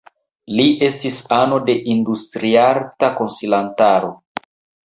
Li estis ano de Industriarta Konsilantaro.